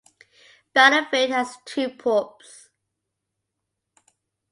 Battlefield has two pubs.